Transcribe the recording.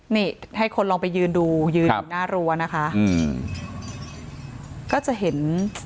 นี่ให้คนลองไปยืนดูยืนอยู่หน้ารั้วนะคะอืมก็จะเห็น